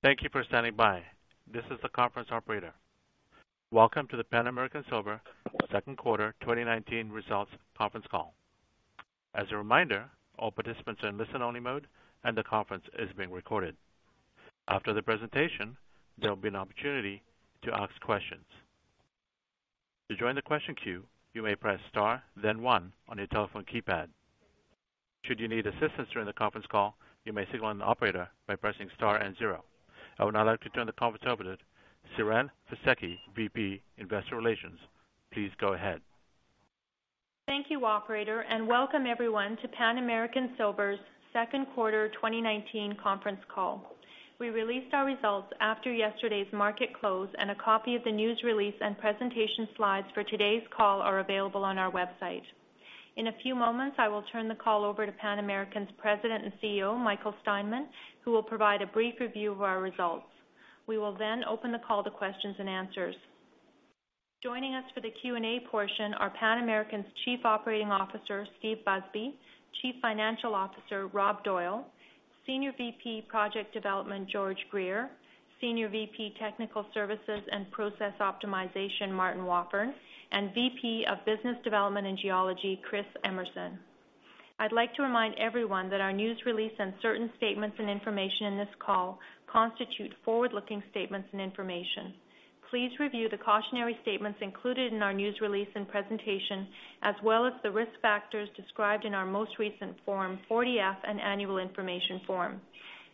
Thank you for standing by. This is the conference operator. Welcome to the Pan American Silver Second Quarter 2019 Results Conference Call. As a reminder, all participants are in listen-only mode, and the conference is being recorded. After the presentation, there will be an opportunity to ask questions. To join the question queue, you may press star, then one on your telephone keypad. Should you need assistance during the conference call, you may signal the operator by pressing star and zero. I would now like to turn the conference over to Siren Fisekci, VP, Investor Relations. Please go ahead. Thank you, Operator, and welcome everyone to Pan American Silver's Second Quarter 2019 Conference Call. We released our results after yesterday's market close, and a copy of the news release and presentation slides for today's call are available on our website. In a few moments, I will turn the call over to Pan American's President and CEO, Michael Steinmann, who will provide a brief review of our results. We will then open the call to questions and answers. Joining us for the Q&A portion are Pan American's Chief Operating Officer, Steve Busby, Chief Financial Officer, Rob Doyle, Senior VP Project Development, George Greer, Senior VP Technical Services and Process Optimization, Martin Wafforn, and VP of Business Development and Geology, Chris Emerson. I'd like to remind everyone that our news release and certain statements and information in this call constitute forward-looking statements and information. Please review the cautionary statements included in our news release and presentation, as well as the risk factors described in our most recent Form 40-F, an annual information form.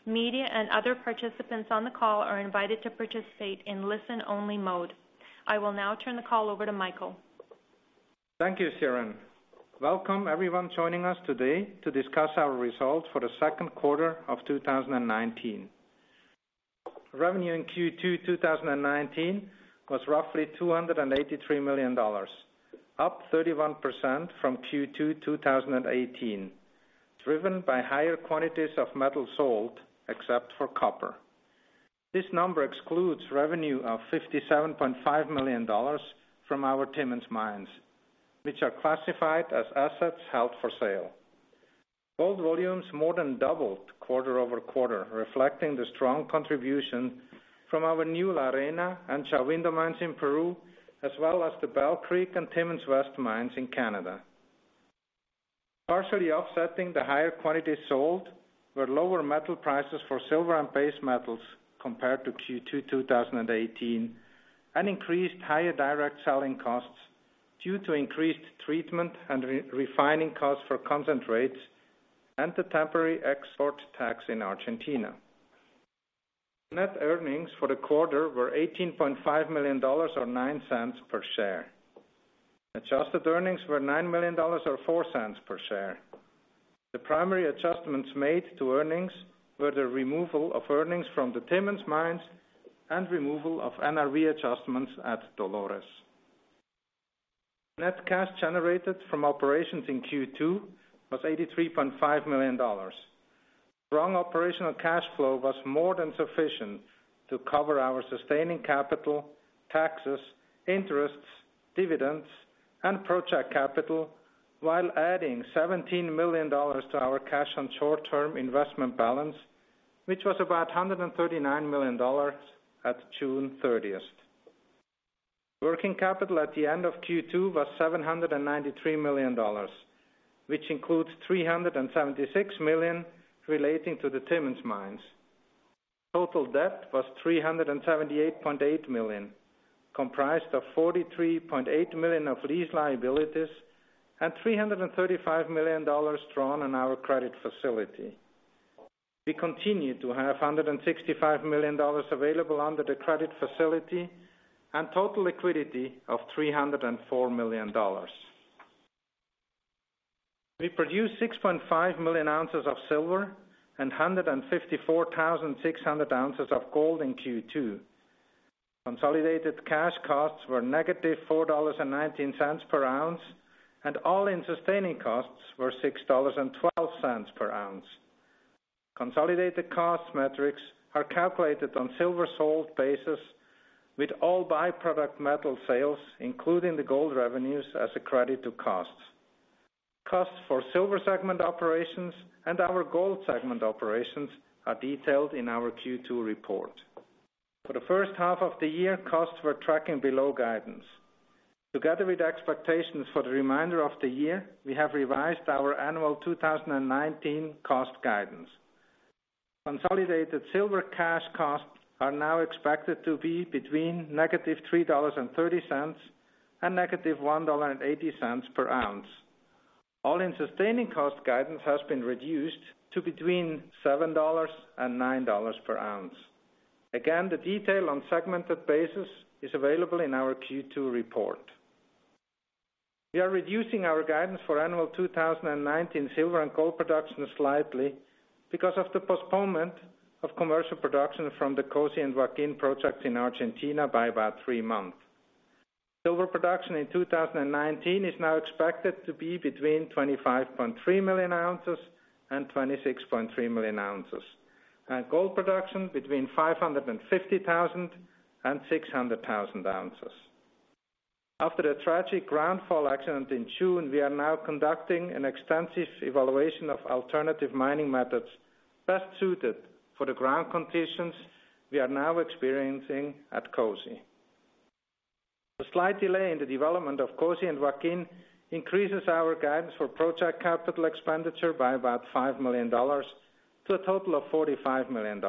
Media and other participants on the call are invited to participate in listen-only mode. I will now turn the call over to Michael. Thank you, Siren. Welcome everyone joining us today to discuss our results for the second quarter of 2019. Revenue in Q2 2019 was roughly $283 million, up 31% from Q2 2018, driven by higher quantities of metal sold, except for copper. This number excludes revenue of $57.5 million from our Timmins mines, which are classified as assets held for sale. Gold volumes more than doubled quarter over quarter, reflecting the strong contribution from our new La Arena and Shahuindo mines in Peru, as well as the Bell Creek and Timmins West mines in Canada. Partially offsetting the higher quantities sold were lower metal prices for silver and base metals compared to Q2 2018, and increased higher direct selling costs due to increased treatment and refining costs for concentrates, and the temporary export tax in Argentina. Net earnings for the quarter were $18.5 million or $0.09 per share. Adjusted earnings were $9 million or $0.04 per share. The primary adjustments made to earnings were the removal of earnings from the Timmins Mines and removal of NRV adjustments at Dolores. Net cash generated from operations in Q2 was $83.5 million. Strong operational cash flow was more than sufficient to cover our sustaining capital, taxes, interests, dividends, and project capital, while adding $17 million to our cash and short-term investment balance, which was about $139 million at June 30th. Working capital at the end of Q2 was $793 million, which includes $376 million relating to the Timmins Mines. Total debt was $378.8 million, comprised of $43.8 million of lease liabilities and $335 million drawn on our credit facility. We continue to have $165 million available under the credit facility and total liquidity of $304 million. We produced 6.5 million oz of silver and 154,600 oz of gold in Q2. Consolidated cash costs were -$4.19 per oz, and all-in sustaining costs were $6.12 per oz. Consolidated cost metrics are calculated on silver sold basis with all byproduct metal sales, including the gold revenues, as a credit to costs. Costs for silver segment operations and our gold segment operations are detailed in our Q2 report. For the first half of the year, costs were tracking below guidance. Together with expectations for the remainder of the year, we have revised our annual 2019 cost guidance. Consolidated silver cash costs are now expected to be between -$3.30 and -$1.80 per oz. All-in sustaining cost guidance has been reduced to between $7 and $9 per oz. Again, the detail on segmented basis is available in our Q2 report. We are reducing our guidance for annual 2019 silver and gold production slightly because of the postponement of commercial production from the COSE and Joaquin projects in Argentina by about three months. Silver production in 2019 is now expected to be between 25.3 million oz and 26.3 million oz, and gold production between 550,000 oz and 600,000 oz. After the tragic groundfall accident in June, we are now conducting an extensive evaluation of alternative mining methods best suited for the ground conditions we are now experiencing at COSE. The slight delay in the development of COSE and Joaquin increases our guidance for project capital expenditure by about $5 million to a total of $45 million.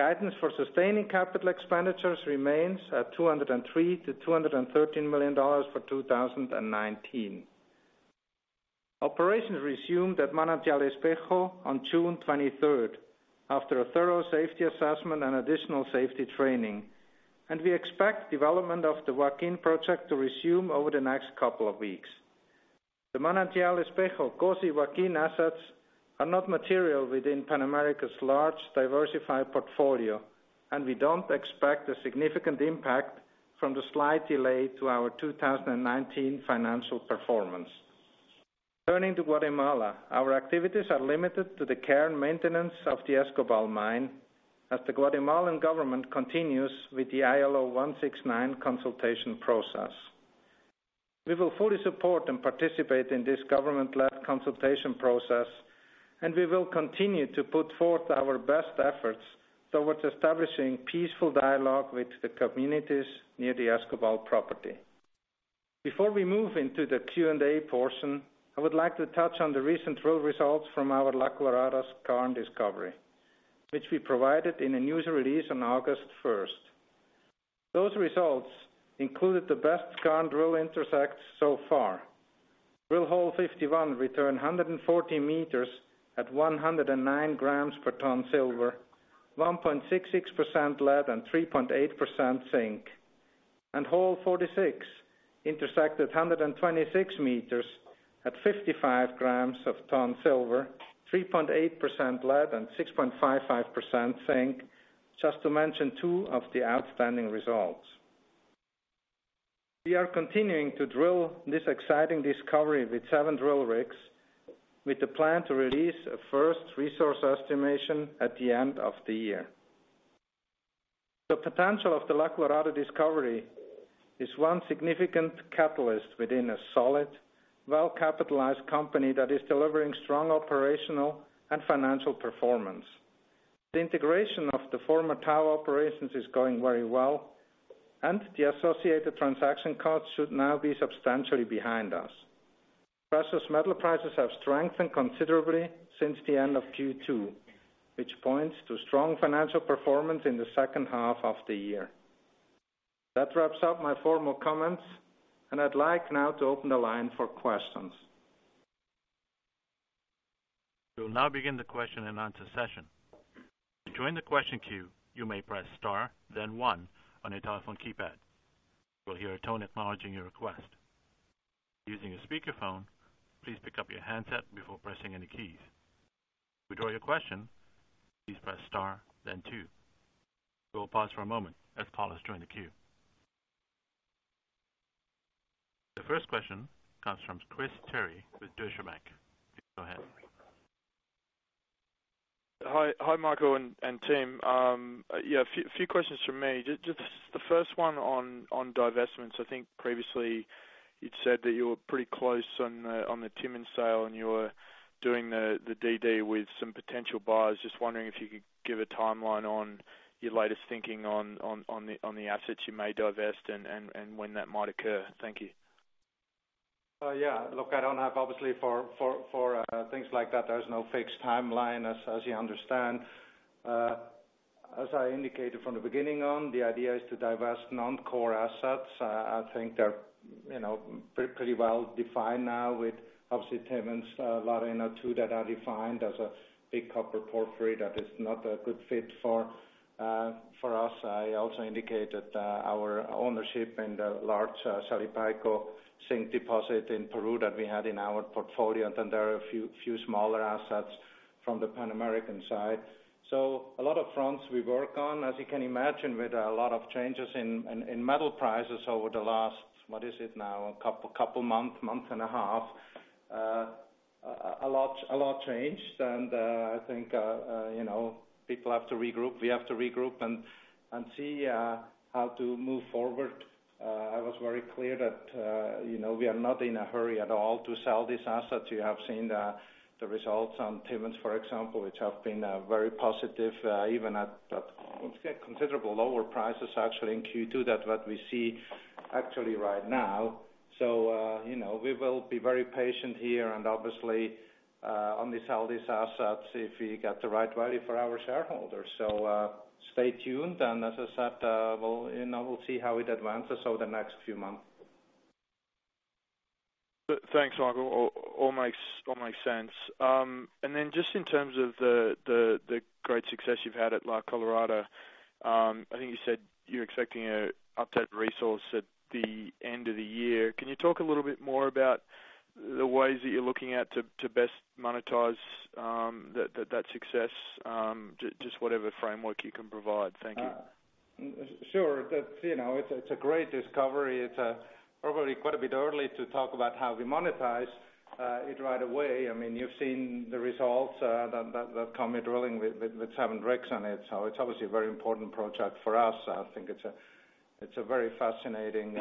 Guidance for sustaining capital expenditures remains at $203 million-$213 million for 2019. Operations resumed at Manantial Espejo on June 23rd after a thorough safety assessment and additional safety training, and we expect development of the Joaquin project to resume over the next couple of weeks. The Manantial Espejo, COSE Joaquin assets are not material within Pan America's large diversified portfolio, and we don't expect a significant impact from the slight delay to our 2019 financial performance. Turning to Guatemala, our activities are limited to the care and maintenance of the Escobal mine as the Guatemalan government continues with the ILO 169 consultation process. We will fully support and participate in this government-led consultation process, and we will continue to put forth our best efforts towards establishing peaceful dialogue with the communities near the Escobal property. Before we move into the Q&A portion, I would like to touch on the recent drill results from our La Colorada Skarn Discovery, which we provided in a news release on August 1st. Those results included the best Skarn drill intercepts so far. Drill hole 51 returned 140 m at 109 gm per ton silver, 1.66% lead and 3.8% zinc, and hole 46 intersected 126 m at 55 gm per ton silver, 3.8% lead and 6.55% zinc, just to mention two of the outstanding results. We are continuing to drill this exciting discovery with seven drill rigs, with the plan to release a first resource estimation at the end of the year. The potential of the La Colorada Discovery is one significant catalyst within a solid, well-capitalized company that is delivering strong operational and financial performance. The integration of the former Tahoe operations is going very well, and the associated transaction costs should now be substantially behind us. Precious metal prices have strengthened considerably since the end of Q2, which points to strong financial performance in the second half of the year. That wraps up my formal comments, and I'd like now to open the line for questions. We will now begin the question-and-answer session. To join the question queue, you may press star, then one on your telephone keypad. You will hear a tone acknowledging your request. Using a speakerphone, please pick up your handset before pressing any keys. To draw your question, please press star, then two. We will pause for a moment as callers join the queue. The first question comes from Chris Terry with Deutsche Bank. Please go ahead. Hi, Michael and Tim. Yeah, a few questions for me. Just the first one on divestments. I think previously you'd said that you were pretty close on the Timmins sale, and you were doing the DD with some potential buyers. Just wondering if you could give a timeline on your latest thinking on the assets you may divest and when that might occur. Thank you. Yeah. Look, I don't have, obviously, for things like that, there's no fixed timeline, as you understand. As I indicated from the beginning on, the idea is to divest non-core assets. I think they're pretty well defined now with, obviously, Timmins, La Arena, too, that are defined as a big copper portion that is not a good fit for us. I also indicated our ownership in the large Shalipayco zinc deposit in Peru that we had in our portfolio, and then there are a few smaller assets from the Pan American side. So a lot of fronts we work on, as you can imagine, with a lot of changes in metal prices over the last, what is it now, a couple months, month and a half. A lot changed, and I think people have to regroup. We have to regroup and see how to move forward. I was very clear that we are not in a hurry at all to sell these assets. You have seen the results on Timmins, for example, which have been very positive, even at considerably lower prices, actually, in Q2 than what we see actually right now, so we will be very patient here and, obviously, only sell these assets if we get the right value for our shareholders, so stay tuned, and as I said, we'll see how it advances over the next few months. Thanks, Michael. All makes sense. And then just in terms of the great success you've had at La Colorada, I think you said you're expecting an updated resource at the end of the year. Can you talk a little bit more about the ways that you're looking at to best monetize that success? Just whatever framework you can provide. Thank you. Sure. It's a great discovery. It's probably quite a bit early to talk about how we monetize it right away. I mean, you've seen the results that come with drilling with seven rigs on it. So it's obviously a very important project for us. I think it's a very fascinating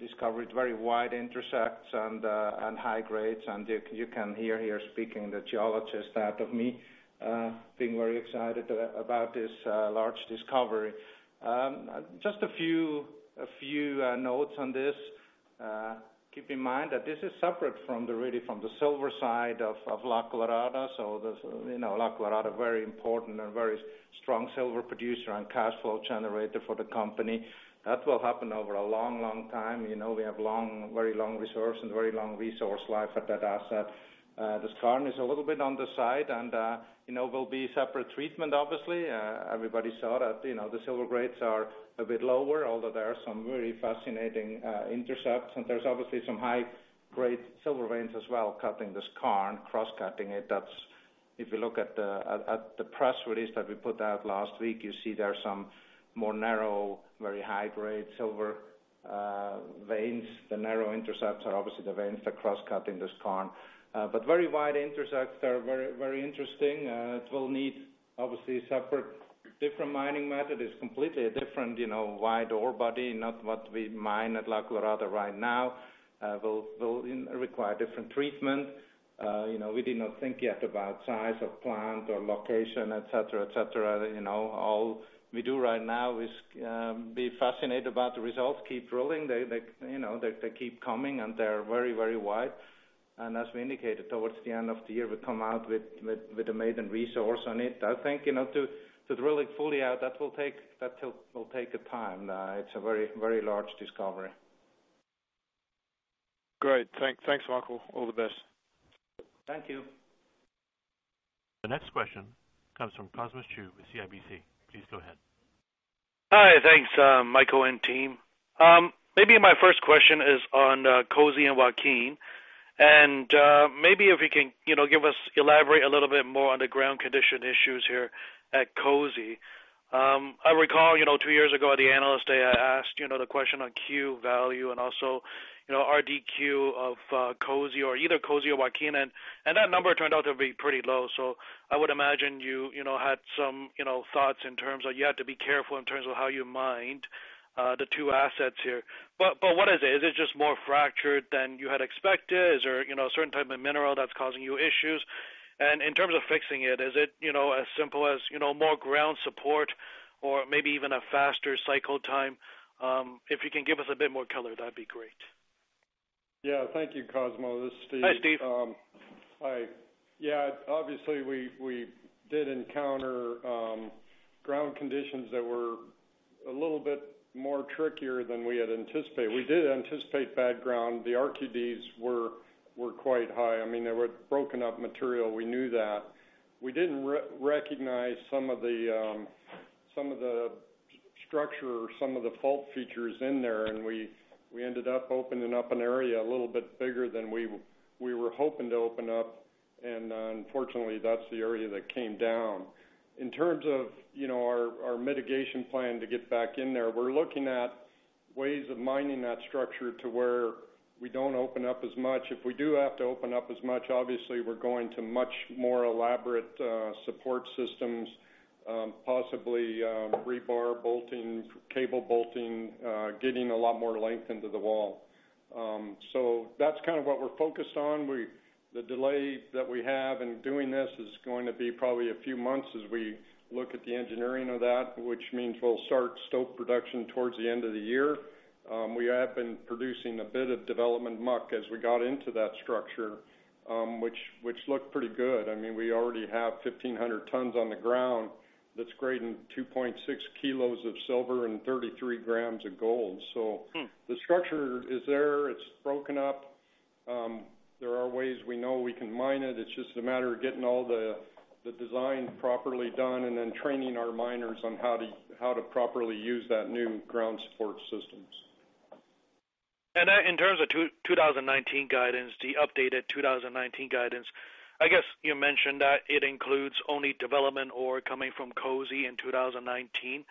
discovery, very wide intersects and high grades, and you can hear the geologist out of me being very excited about this large discovery. Just a few notes on this. Keep in mind that this is separate from the silver side of La Colorada. So La Colorada, very important and very strong silver producer and cash flow generator for the company. That will happen over a long, long time. We have very long reserves and very long resource life at that asset. The Skarn is a little bit on the side and will be separate treatment, obviously. Everybody saw that the silver grades are a bit lower, although there are some very fascinating intercepts, and there's obviously some high-grade silver veins as well cutting the skarn, cross-cutting it. If you look at the press release that we put out last week, you see there are some more narrow, very high-grade silver veins. The narrow intercepts are obviously the veins that cross-cut in the skarn. But very wide intercepts are very interesting. It will need, obviously, separate different mining methods. It's completely a different wide ore body, not what we mine at La Colorada right now. It will require different treatment. We did not think yet about size of plant or location, etc., etc. All we do right now is be fascinated about the results. Keep drilling. They keep coming, and they're very, very wide. As we indicated, towards the end of the year, we come out with a maiden resource on it. I think to drill it fully out, that will take time. It's a very large discovery. Great. Thanks, Michael. All the best. Thank you. The next question comes from Cosmos Chiu with CIBC. Please go ahead. Hi. Thanks, Michael and Tim. Maybe my first question is on COSE and Joaquin, and maybe if you can elaborate a little bit more on the ground condition issues here at COSE. I recall two years ago at the analyst day, I asked the question on Q-value and also RQD of COSE, or either COSE or Joaquin, and that number turned out to be pretty low. So I would imagine you had some thoughts in terms of you had to be careful in terms of how you mined the two assets here. But what is it? Is it just more fractured than you had expected? Is there a certain type of mineral that's causing you issues? And in terms of fixing it, is it as simple as more ground support or maybe even a faster cycle time? If you can give us a bit more color, that'd be great. Yeah. Thank you, Cosmo. This is Steve. Hi, Steve. Hi. Yeah. Obviously, we did encounter ground conditions that were a little bit more trickier than we had anticipated. We did anticipate bad ground. The RQDs were quite high. I mean, they were broken up material. We knew that. We didn't recognize some of the structure or some of the fault features in there, and we ended up opening up an area a little bit bigger than we were hoping to open up, and unfortunately, that's the area that came down. In terms of our mitigation plan to get back in there, we're looking at ways of mining that structure to where we don't open up as much. If we do have to open up as much, obviously, we're going to much more elaborate support systems, possibly rebar, bolting, cable bolting, getting a lot more length into the wall. So that's kind of what we're focused on. The delay that we have in doing this is going to be probably a few months as we look at the engineering of that, which means we'll start stockpile production towards the end of the year. We have been producing a bit of development muck as we got into that structure, which looked pretty good. I mean, we already have 1,500 tons on the ground that's grading 2.6 kilos of silver and 33 grams of gold. So the structure is there. It's broken up. There are ways we know we can mine it. It's just a matter of getting all the design properly done and then training our miners on how to properly use that new ground support systems. And in terms of 2019 guidance, the updated 2019 guidance, I guess you mentioned that it includes only development ore coming from COSE in 2019.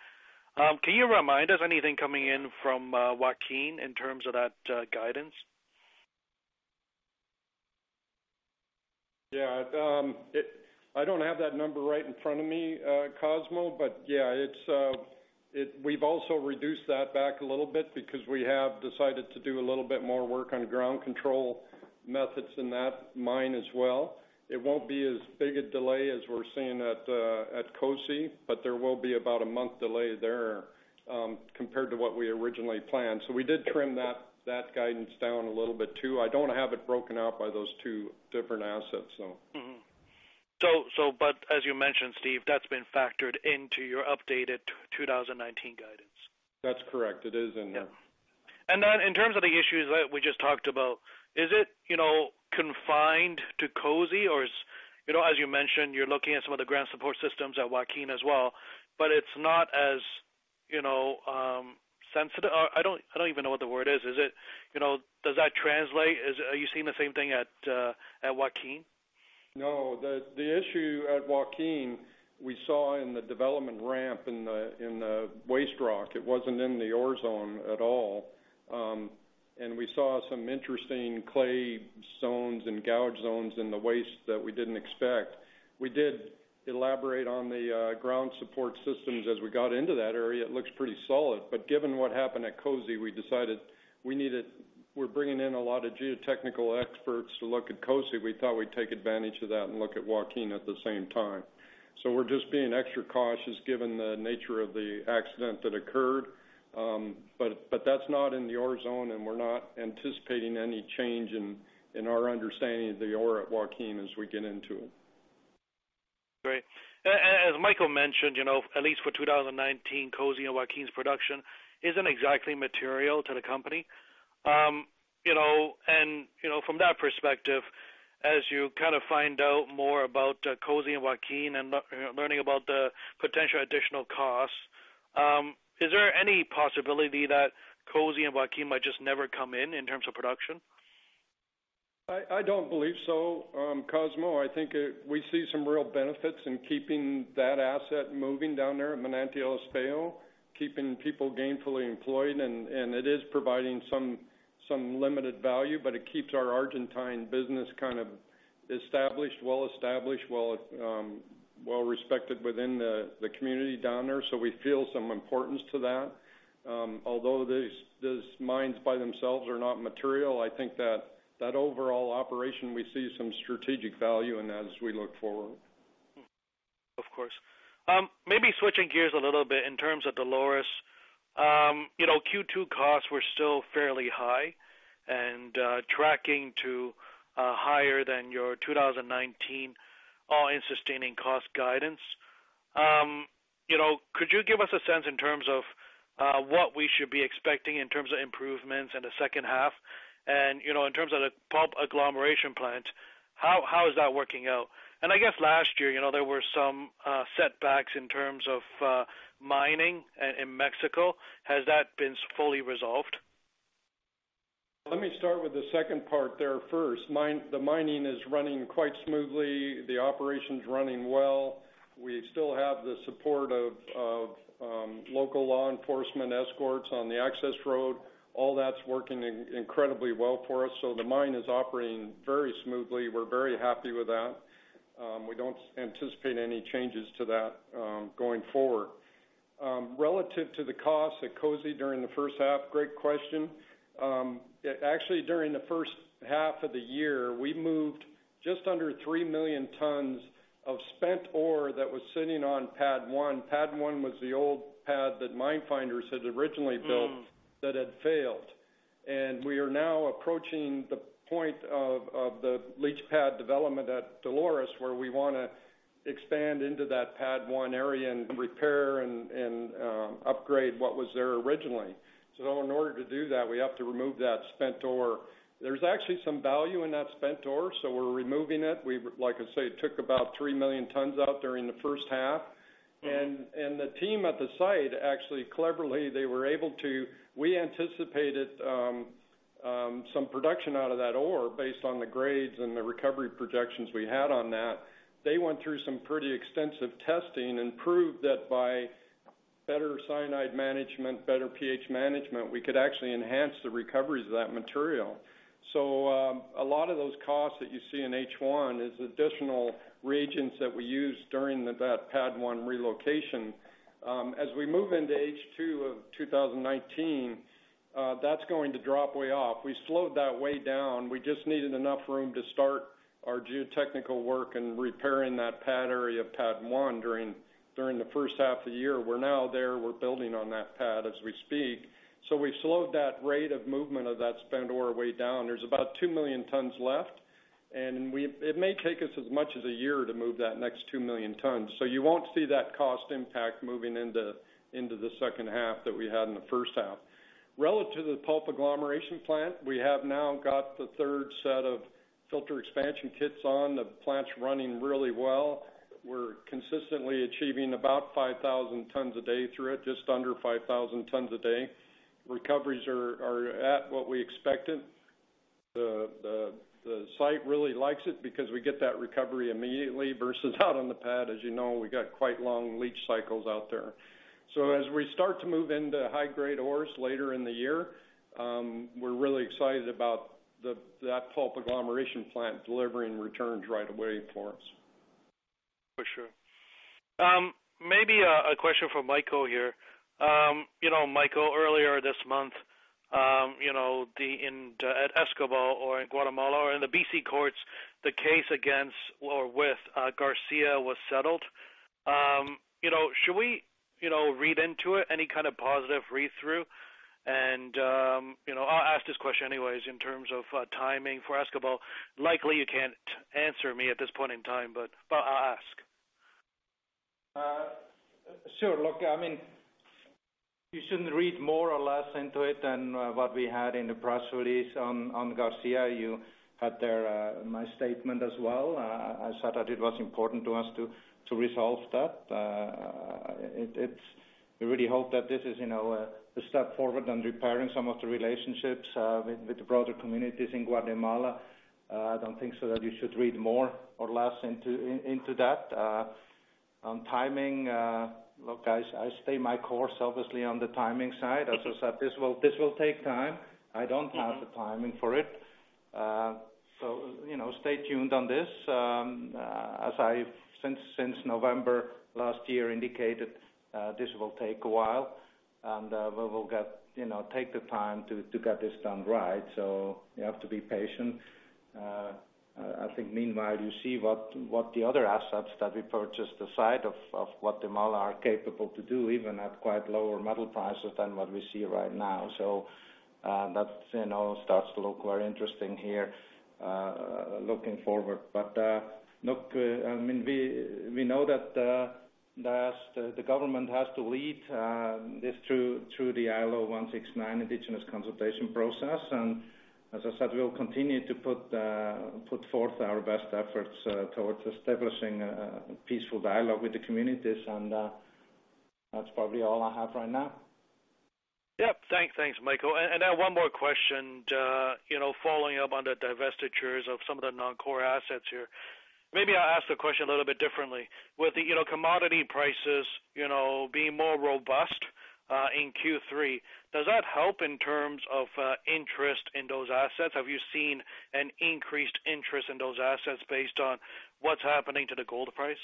Can you remind us anything coming in from Joaquin in terms of that guidance? Yeah. I don't have that number right in front of me, Cosmo, but yeah, we've also reduced that back a little bit because we have decided to do a little bit more work on ground control methods in that mine as well. It won't be as big a delay as we're seeing at COSE, but there will be about a month delay there compared to what we originally planned. So we did trim that guidance down a little bit too. I don't have it broken out by those two different assets, no. But as you mentioned, Steve, that's been factored into your updated 2019 guidance. That's correct. It is in there. And then in terms of the issues that we just talked about, is it confined to COSE? Or as you mentioned, you're looking at some of the ground support systems at Joaquin as well, but it's not as sensitive? I don't even know what the word is. Does that translate? Are you seeing the same thing at Joaquin? No. The issue at Joaquin, we saw in the development ramp in the waste rock. It wasn't in the ore zone at all. And we saw some interesting clay zones and gouge zones in the waste that we didn't expect. We did elaborate on the ground support systems as we got into that area. It looks pretty solid. But given what happened at COSE, we decided we're bringing in a lot of geotechnical experts to look at COSE. We thought we'd take advantage of that and look at Joaquin at the same time. So we're just being extra cautious given the nature of the accident that occurred. But that's not in the ore zone, and we're not anticipating any change in our understanding of the ore at Joaquin as we get into it. Great. And as Michael mentioned, at least for 2019, COSE and Joaquin's production isn't exactly material to the company. And from that perspective, as you kind of find out more about COSE and Joaquin and learning about the potential additional costs, is there any possibility that COSE and Joaquin might just never come in in terms of production? I don't believe so, Cosmo. I think we see some real benefits in keeping that asset moving down there at Manantial Espejo, keeping people gainfully employed, and it is providing some limited value, but it keeps our Argentine business kind of established, well-established, well-respected within the community down there. So we feel some importance to that. Although those mines by themselves are not material, I think that overall operation, we see some strategic value in that as we look forward. Of course. Maybe switching gears a little bit in terms of Dolores. Q2 costs were still fairly high and tracking to higher than your 2019 All-in Sustaining Costs guidance. Could you give us a sense in terms of what we should be expecting in terms of improvements in the second half? And in terms of the Pulp Agglomeration Plant, how is that working out? And I guess last year, there were some setbacks in terms of mining in Mexico. Has that been fully resolved? Let me start with the second part there first. The mining is running quite smoothly. The operation's running well. We still have the support of local law enforcement escorts on the access road. All that's working incredibly well for us. So the mine is operating very smoothly. We're very happy with that. We don't anticipate any changes to that going forward. Relative to the cost at COSE during the first half, great question. Actually, during the first half of the year, we moved just under 3 million tons of spent ore that was sitting on pad one. Pad one was the old pad that Minefinders had originally built that had failed, and we are now approaching the point of the leach pad development at Dolores where we want to expand into that pad one area and repair and upgrade what was there originally. So in order to do that, we have to remove that spent ore. There's actually some value in that spent ore, so we're removing it. Like I say, it took about three million tons out during the first half. And the team at the site actually, cleverly, they were able to. We anticipated some production out of that ore based on the grades and the recovery projections we had on that. They went through some pretty extensive testing and proved that by better cyanide management, better pH management, we could actually enhance the recoveries of that material. So a lot of those costs that you see in H1 is additional reagents that we used during that pad one relocation. As we move into H2 of 2019, that's going to drop way off. We slowed that way down. We just needed enough room to start our geotechnical work and repairing that pad area of pad one during the first half of the year. We're now there. We're building on that pad as we speak. So we've slowed that rate of movement of that spent ore way down. There's about 2 million tons left, and it may take us as much as a year to move that next 2 million tons. So you won't see that cost impact moving into the second half that we had in the first half. Relative to the Pulp Agglomeration Plant, we have now got the third set of filter expansion kits on. The plant's running really well. We're consistently achieving about 5,000 tons a day through it, just under 5,000 tons a day. Recoveries are at what we expected. The site really likes it because we get that recovery immediately versus out on the pad, as you know, we got quite long leach cycles out there. So as we start to move into high-grade ores later in the year, we're really excited about that Pulp Agglomeration Plant delivering returns right away for us. For sure. Maybe a question for Michael here. Michael, earlier this month, at Escobal or in Guatemala or in the BC courts, the case against or with Garcia was settled. Should we read into it? Any kind of positive read-through? And I'll ask this question anyways in terms of timing for Escobal. Likely, you can't answer me at this point in time, but I'll ask. Sure. Look, I mean, you shouldn't read more or less into it than what we had in the press release on Garcia. You had there my statement as well. I said that it was important to us to resolve that. We really hope that this is a step forward on repairing some of the relationships with the broader communities in Guatemala. I don't think so that you should read more or less into that. On timing, look, I stay my course, obviously, on the timing side. As I said, this will take time. I don't have the timing for it. So stay tuned on this. As I've since November last year indicated, this will take a while, and we will take the time to get this done right. So you have to be patient. I think meanwhile, you see what the other assets that we purchased aside of Guatemala are capable to do, even at quite lower metal prices than what we see right now, so that starts to look very interesting here looking forward, but look, I mean, we know that the government has to lead this through the ILO 169 Indigenous Consultation process, and as I said, we'll continue to put forth our best efforts towards establishing a peaceful dialogue with the communities, and that's probably all I have right now. Yep. Thanks, Michael. And now one more question following up on the divestitures of some of the non-core assets here. Maybe I'll ask the question a little bit differently. With the commodity prices being more robust in Q3, does that help in terms of interest in those assets? Have you seen an increased interest in those assets based on what's happening to the gold price?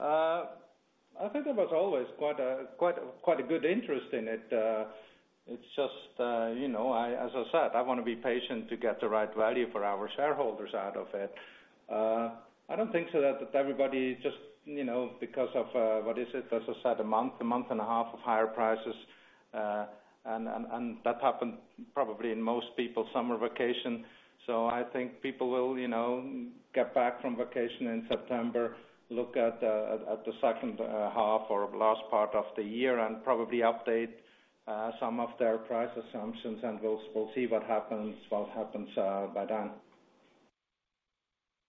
I think there was always quite a good interest in it. It's just, as I said, I want to be patient to get the right value for our shareholders out of it. I don't think so, that everybody just because of, what is it, as I said, a month, a month and a half of higher prices, and that happened probably in most people's summer vacation, so I think people will get back from vacation in September, look at the second half or last part of the year, and probably update some of their price assumptions, and we'll see what happens by then.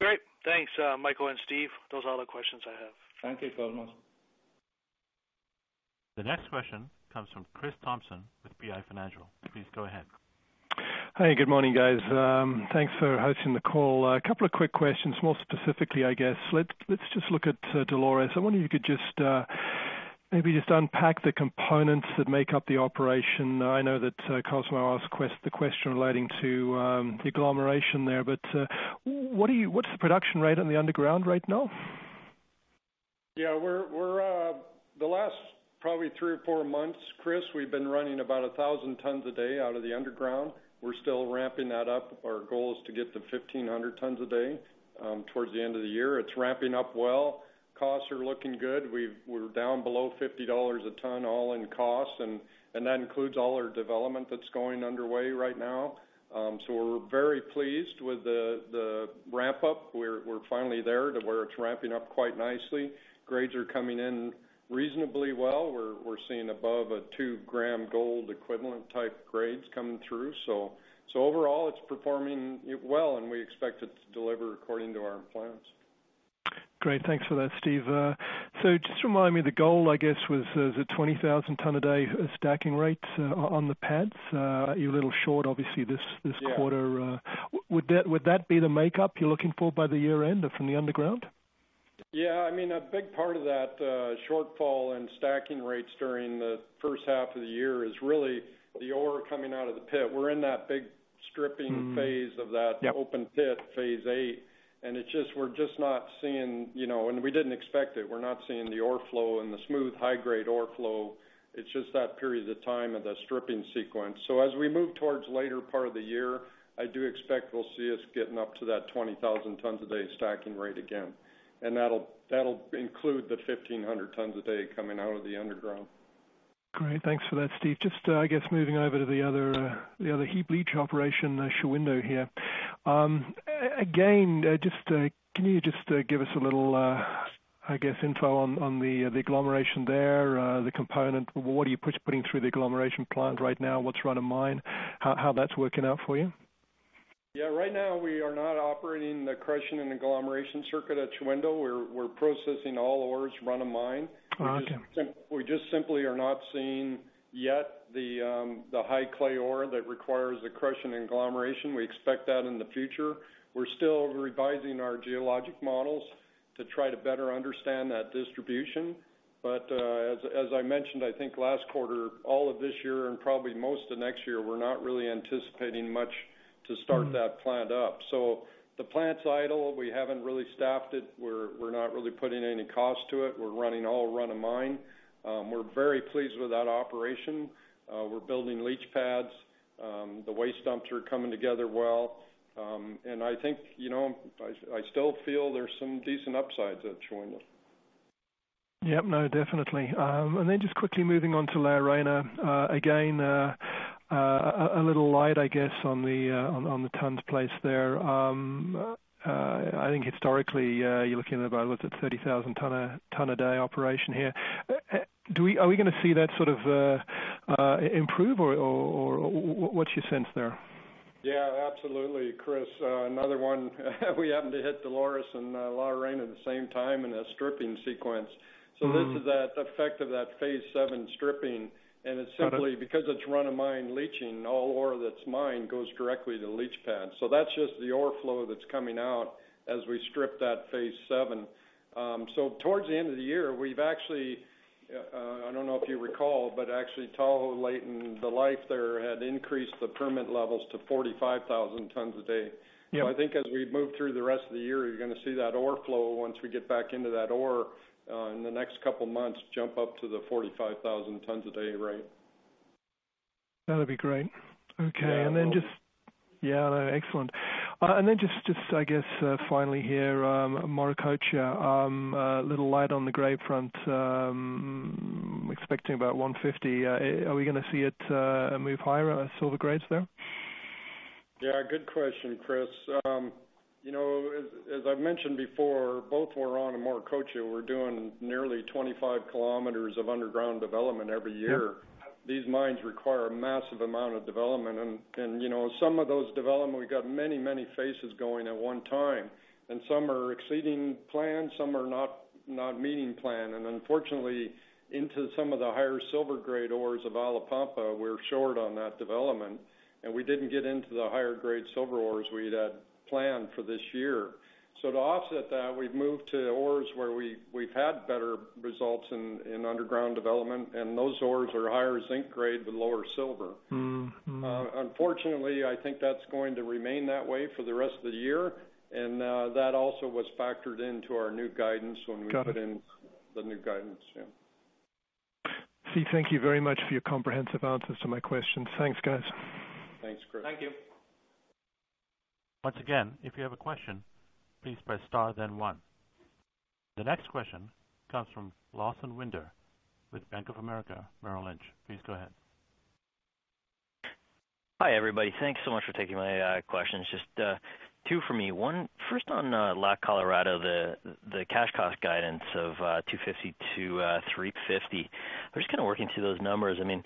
Great. Thanks, Michael and Steve. Those are all the questions I have. Thank you, Cosmos. The next question comes from Chris Thompson with PI Financial. Please go ahead. Hi, good morning, guys. Thanks for hosting the call. A couple of quick questions, more specifically, I guess. Let's just look at Dolores. I wonder if you could just maybe just unpack the components that make up the operation. I know that Cosmo asked the question relating to the agglomeration there, but what's the production rate on the underground right now? Yeah. The last probably three or four months, Chris, we've been running about 1,000 tons a day out of the underground. We're still ramping that up. Our goal is to get to 1,500 tons a day towards the end of the year. It's ramping up well. Costs are looking good. We're down below $50 a ton all in cost, and that includes all our development that's going underway right now. So we're very pleased with the ramp-up. We're finally there to where it's ramping up quite nicely. Grades are coming in reasonably well. We're seeing above a 2-gram gold equivalent type grades coming through. So overall, it's performing well, and we expect it to deliver according to our plans. Great. Thanks for that, Steve. So just remind me, the goal, I guess, was a 20,000-ton-a-day stacking rate on the pads. You're a little short, obviously, this quarter. Would that be the makeup you're looking for by the year-end from the underground? Yeah. I mean, a big part of that shortfall in stacking rates during the first half of the year is really the ore coming out of the pit. We're in that big stripping phase of that open pit, phase eight. And we're just not seeing, and we didn't expect it, we're not seeing the ore flow and the smooth high-grade ore flow. It's just that period of time of the stripping sequence. So as we move towards the later part of the year, I do expect we'll see us getting up to that 20,000-ton-a-day stacking rate again. And that'll include the 1,500 tons a day coming out of the underground. Great. Thanks for that, Steve. Just, I guess, moving over to the other heap leach operation, Shahuindo here. Again, can you just give us a little, I guess, info on the agglomeration there, the compaction? What are you putting through the agglomeration plant right now? What's run-of-mine? How that's working out for you? Yeah. Right now, we are not operating the crushing and agglomeration circuit at Shahuindo. We're processing all ores run-of-mine. We just simply are not seeing yet the high-clay ore that requires the crushing and agglomeration. We expect that in the future. We're still revising our geologic models to try to better understand that distribution. But as I mentioned, I think last quarter, all of this year, and probably most of next year, we're not really anticipating much to start that plant up. So the plant's idle. We haven't really staffed it. We're not really putting any cost to it. We're running all run-of-mine. We're very pleased with that operation. We're building leach pads. The waste dumps are coming together well, and I think I still feel there's some decent upsides at Shahuindo. Yep. No, definitely. And then just quickly moving on to La Arena. Again, a little light, I guess, on the tons place there. I think historically, you're looking at about, was it, 30,000-ton-a-day operation here? Are we going to see that sort of improve? Or what's your sense there? Yeah. Absolutely, Chris. Another one, we happen to hit Dolores and La Reina at the same time in the stripping sequence. So this is the effect of that phase seven stripping. And it's simply because it's run-of-mine leaching, all ore that's mined goes directly to leach pads. So that's just the ore flow that's coming out as we strip that phase seven. So towards the end of the year, we've actually, I don't know if you recall, but actually, Talho Leighton, the life there had increased the permit levels to 45,000 tons a day. So I think as we move through the rest of the year, you're going to see that ore flow once we get back into that ore in the next couple of months jump up to the 45,000 tons a day rate. That would be great. Okay. And then just, yeah. Excellent. And then just, I guess, finally here, Morococha, a little light on the grade front. I'm expecting about 150. Are we going to see it move higher, silver grades there? Yeah. Good question, Chris. As I've mentioned before, both Huarón and Morococha, we're doing nearly 25 kilometers of underground development every year. These mines require a massive amount of development, and some of those development, we've got many, many phases going at one time. Some are exceeding plan, some are not meeting plan, and unfortunately, into some of the higher silver grade ores of Alapampa, we're short on that development. We didn't get into the higher grade silver ores we had planned for this year. So to offset that, we've moved to ores where we've had better results in underground development. Those ores are higher zinc grade with lower silver. Unfortunately, I think that's going to remain that way for the rest of the year, and that also was factored into our new guidance when we put in the new guidance. Yeah. Steve, thank you very much for your comprehensive answers to my questions. Thanks, guys. Thanks, Chris. Thank you. Once again, if you have a question, please press star, then one. The next question comes from Lawson Winder with Bank of America, Merrill Lynch. Please go ahead. Hi, everybody. Thanks so much for taking my questions. Just two for me. One, first on La Colorada, the cash cost guidance of $250-$350. I'm just kind of working through those numbers. I mean,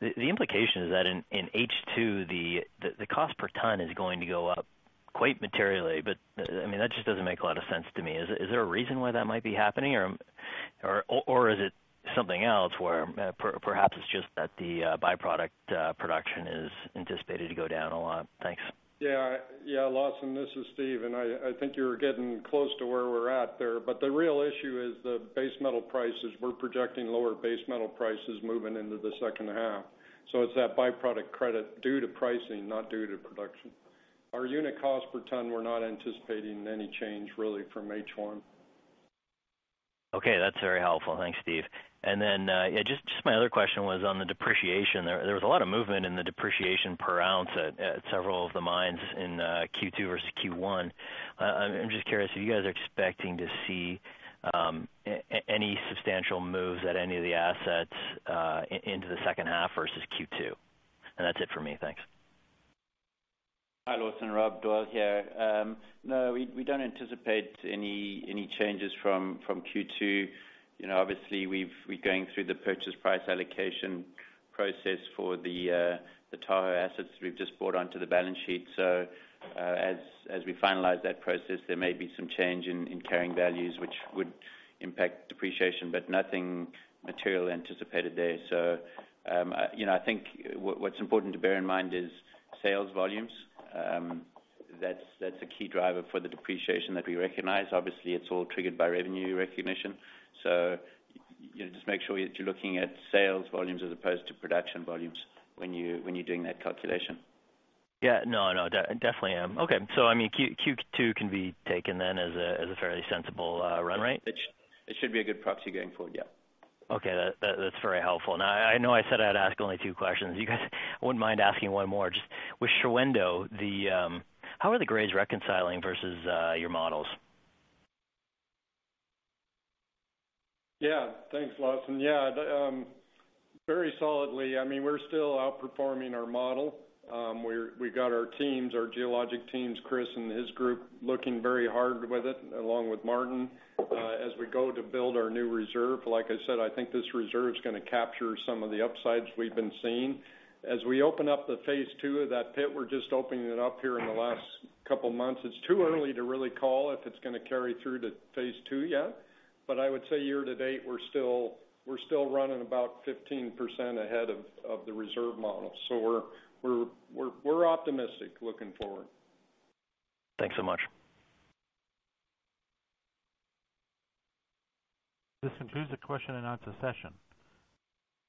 the implication is that in H2, the cost per ton is going to go up quite materially. But I mean, that just doesn't make a lot of sense to me. Is there a reason why that might be happening? Or is it something else where perhaps it's just that the byproduct production is anticipated to go down a lot? Thanks. Yeah. Yeah. Lawson, this is Steve. And I think you're getting close to where we're at there. But the real issue is the base metal prices. We're projecting lower base metal prices moving into the second half. So it's that byproduct credit due to pricing, not due to production. Our unit cost per ton, we're not anticipating any change really from H1. Okay. That's very helpful. Thanks, Steve. And then just my other question was on the depreciation. There was a lot of movement in the depreciation per ounce at several of the mines in Q2 versus Q1. I'm just curious, are you guys expecting to see any substantial moves at any of the assets into the second half versus Q2? And that's it for me. Thanks. Hi, Lawson. Rob Doyle here. No, we don't anticipate any changes from Q2. Obviously, we're going through the purchase price allocation process for the Tahoe assets that we've just brought onto the balance sheet. So as we finalize that process, there may be some change in carrying values, which would impact depreciation, but nothing material anticipated there. So I think what's important to bear in mind is sales volumes. That's a key driver for the depreciation that we recognize. Obviously, it's all triggered by revenue recognition. So just make sure that you're looking at sales volumes as opposed to production volumes when you're doing that calculation. Yeah. No, no. Definitely am. Okay. So I mean, Q2 can be taken then as a fairly sensible run rate? It should be a good proxy going forward. Yeah. Okay. That's very helpful. Now, I know I said I'd ask only two questions. If you guys wouldn't mind asking one more, just with Cosmos Chiu, how are the grades reconciling versus your models? Yeah. Thanks, Lawson. Yeah. Very solidly. I mean, we're still outperforming our model. We've got our teams, our geologic teams, Chris and his group, looking very hard with it, along with Martin, as we go to build our new reserve. Like I said, I think this reserve is going to capture some of the upsides we've been seeing. As we open up the phase two of that pit, we're just opening it up here in the last couple of months. It's too early to really call if it's going to carry through to phase two yet. But I would say year to date, we're still running about 15% ahead of the reserve model. So we're optimistic looking forward. Thanks so much. This concludes the question and answer session.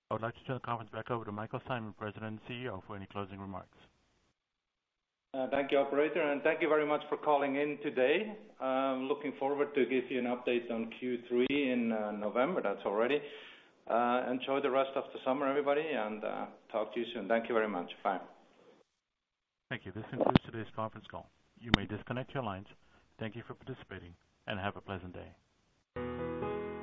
I would like to turn the conference back over to Michael Steinmann, President and CEO, for any closing remarks. Thank you, Operator, and thank you very much for calling in today. I'm looking forward to give you an update on Q3 in November. That's already. Enjoy the rest of the summer, everybody, and talk to you soon. Thank you very much. Bye. Thank you. This concludes today's conference call. You may disconnect your lines. Thank you for participating, and have a pleasant day.